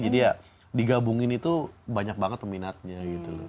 jadi ya digabungin itu banyak banget peminatnya gitu loh